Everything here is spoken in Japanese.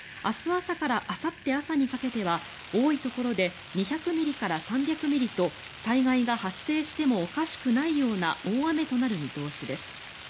朝からあさって朝にかけては多いところで２００ミリから３００ミリと災害が発生してもおかしくないような大雨となる見通しです。